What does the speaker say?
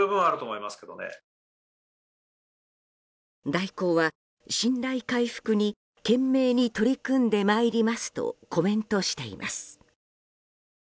大広は、信頼回復に懸命に取り組んでまいりますとコメントしています。